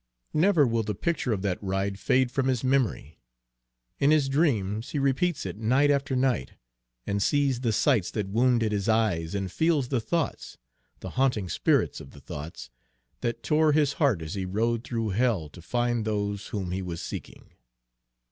Never will the picture of that ride fade from his memory. In his dreams he repeats it night after night, and sees the sights that wounded his eyes, and feels the thoughts the haunting spirits of the thoughts that tore his heart as he rode through hell to find those whom he was seeking.